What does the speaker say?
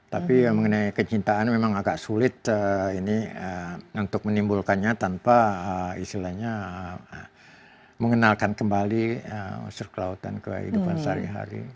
tapi mengenai kecintaan memang agak sulit ini untuk menimbulkannya tanpa istilahnya mengenalkan kembali unsur kelautan kehidupan sehari hari